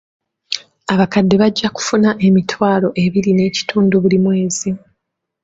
Abakadde bajja kufuna emitwalo ebiri n'ekitundu buli mwezi.